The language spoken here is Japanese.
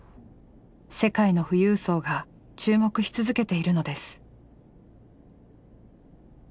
世界の富裕層が注目し続けているのです。